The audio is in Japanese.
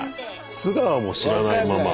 素顔も知らないまま？